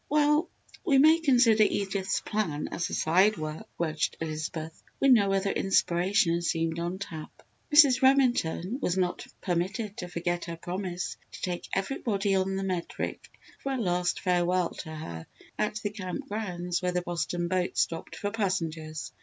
"Well, we may consider Edith's plan as a side work," grudged Elizabeth, when no other inspiration seemed on tap. Mrs. Remington was not permitted to forget her promise to take everybody on the Medric for a last farewell to her at the Camp Grounds where the Boston boat stopped for passengers.